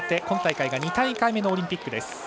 今大会が２大会目のオリンピックです。